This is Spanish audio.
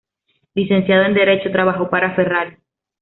Licenciado en derecho, trabajó para Ferrari.